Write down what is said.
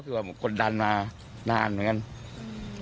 คือว่ามันกดดันมานานเหมือนกัน